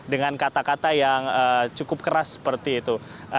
dengan kata kata yang cukup keras seperti itu